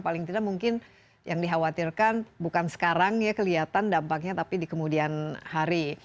paling tidak mungkin yang dikhawatirkan bukan sekarang ya kelihatan dampaknya tapi di kemudian hari